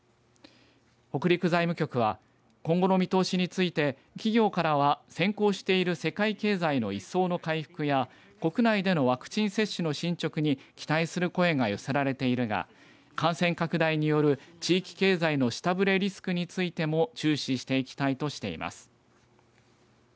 北陸財務局は今後の見通しについて企業からは先行している世界経済の一層の回復や国内でのワクチン接種の進捗に期待する声が寄せられているが感染拡大による地域経済の下振れリスクについても注視していきたいとしています。